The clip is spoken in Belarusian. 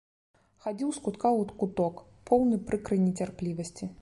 Хадзіў з кутка ў куток, поўны прыкрай нецярплівасці.